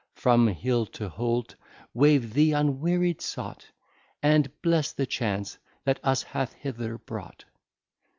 From Hill to Holt w'ave thee unweary'd sought, And bless the Chance that us hath hither brought.